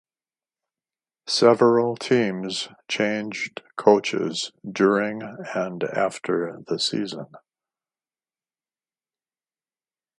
Several teams changed coaches during and after the season.